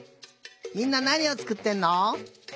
みんななにをつくってるの？